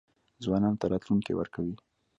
ځوانانو ته راتلونکی ورکوي.